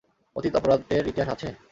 অতীত অপরাধের ইতিহাস আছে?